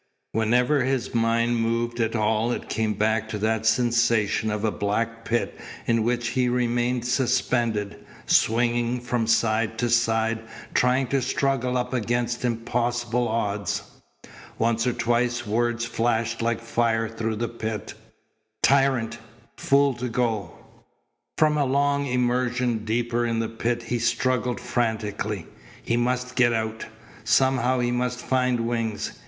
Whenever his mind moved at all it came back to that sensation of a black pit in which he remained suspended, swinging from side to side, trying to struggle up against impossible odds. Once or twice words flashed like fire through the pit: "Tyrant! Fool to go." From a long immersion deeper in the pit he struggled frantically. He must get out. Somehow he must find wings.